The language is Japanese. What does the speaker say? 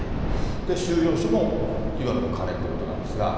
収容所もいわゆるお金ということなんですが。